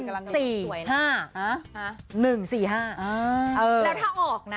แล้วถ้าออกนะ